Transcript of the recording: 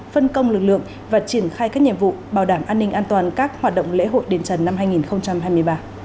phân công lực lượng và triển khai các nhiệm vụ bảo đảm an ninh an toàn các hoạt động lễ hội đền trần năm hai nghìn hai mươi ba